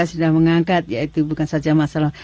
sudah mengangkat ya itu bukan saja masalah